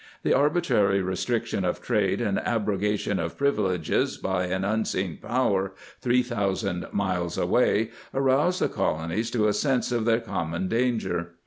The arbitrary restriction of trade and abrogation pf privileges by an unseen power 3,000 miles away aroused the colonies to a sense of their /common danger.